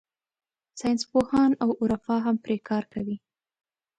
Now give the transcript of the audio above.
ساینسپوهان او عرفا هم پرې کار کوي.